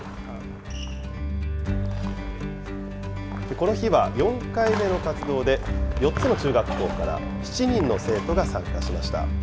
この日は４回目の活動で、４つの中学校から７人の生徒が参加しました。